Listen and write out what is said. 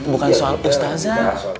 bukan soal ustaza